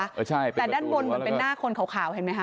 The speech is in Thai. แต่ด้านบนมันเป็นหน้าคนขาวเห็นมั้ยค่ะ